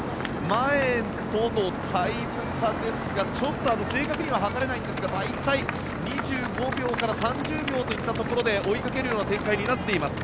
前とのタイム差ですがちょっと正確には測れないんですが大体２５秒から３０秒といったところで追いかける展開になっています。